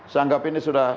saya anggap ini sudah